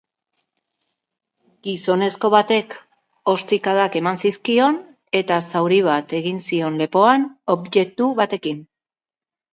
Gizonezko batek ostikadak eman zizkion eta zauri bat egin zion lepoan objektu batekin.